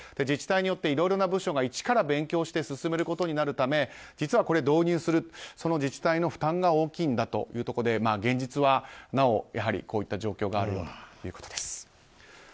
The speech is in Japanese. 自治体によっていろいろな部署がいちから勉強して進めることになるため実は導入すると自治体の負担が大きいということで現実はなおこういった状況があるということです。